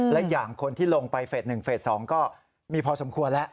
และอย่างคนที่ลงไปเฟส๑เฟส๒ก็มีพอสมควรแล้ว